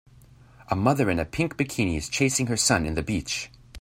A mother in a pink bikini is chasing her son in the beach.